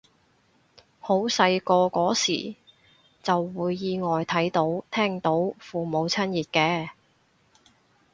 好細個嗰時就會意外睇到聽到父母親熱嘅